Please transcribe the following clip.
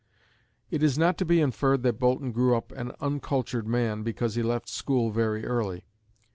It is not to be inferred that Boulton grew up an uncultured man because he left school very early.